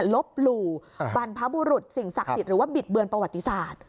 ลบหลู่บรรพบุรุษสิ่งศักดิ์สิทธิ์หรือว่าบิดเบือนประวัติศาสตร์